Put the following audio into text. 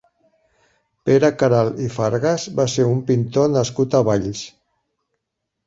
Pere Queralt i Fargas va ser un pintor nascut a Valls.